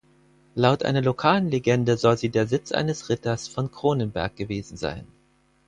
Laut einer lokalen Legende soll sie der Sitz eines Ritters von Kronenberg gewesen sein.